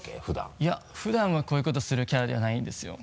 いや普段はこういうことするキャラじゃないんですよ。